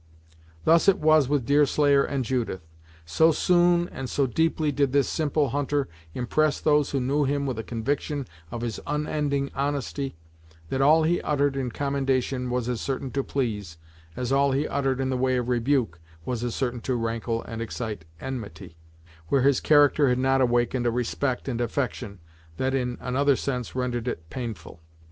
Thus it was with Deerslayer and Judith. So soon and so deeply did this simple hunter impress those who knew him with a conviction of his unbending honesty, that all he uttered in commendation was as certain to please, as all he uttered in the way of rebuke was as certain to rankle and excite enmity, where his character had not awakened a respect and affection, that in another sense rendered it painful.